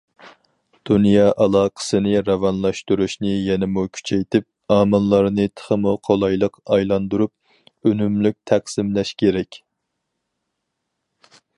دۇنيا ئالاقىسىنى راۋانلاشتۇرۇشنى يەنىمۇ كۈچەيتىپ، ئامىللارنى تېخىمۇ قولايلىق ئايلاندۇرۇپ، ئۈنۈملۈك تەقسىملەش كېرەك.